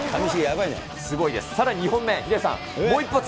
すごいです、さらに２本目、ヒデさん、もう一発。